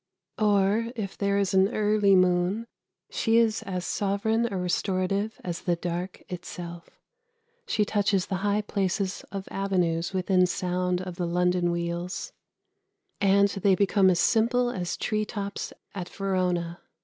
Or if there is an early moon, she is as sovereign a restorative as the dark itself. She touches the high places of avenues within sound of the London wheels, and they become as simple as tree tops at Verona.